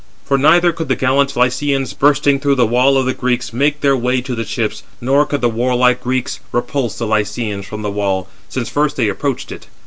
For neither could the gallant Lycians, bursting through the wall of the Greeks, make their way to the ships, nor could the warlike Greeks repulse the Lycians from the wall, since first they approached it.